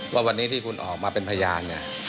ว่าวันนี้ที่คุณออกมาเป็นพยานเนี่ย